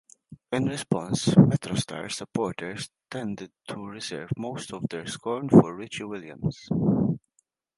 In response, MetroStars supporters tended to reserve most of their scorn for Richie Williams.